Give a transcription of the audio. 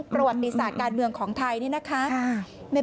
ประวัติศาสตร์การเมืองของไทยนี่นะคะ